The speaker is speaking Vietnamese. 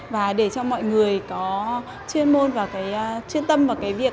và để cho mọi người có chuyên môn và chuyên tâm vào việc